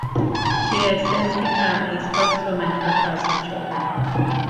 She has since become a spokeswoman for foster children.